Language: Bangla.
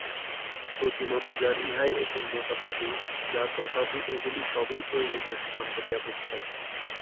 প্রতিমাপূজার ইহাই অপূর্ণতা বা দোষ, তথাপি এগুলি সবই প্রয়োজনীয় সোপান বলিয়া বোধ হয়।